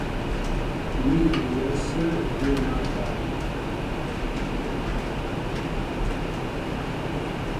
Ní hiyɛ̌ ásə̄ dwə̂ máál kâ.